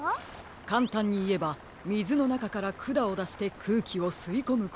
かんたんにいえばみずのなかからくだをだしてくうきをすいこむことです。